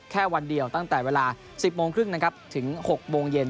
แค่วันเดียวตั้งแต่เวลา๑๐โมงครึ่งนะครับถึง๖โมงเย็น